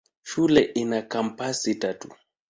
Shule ina kampasi tatu.